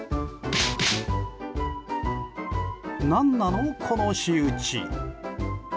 何なの、この仕打ち。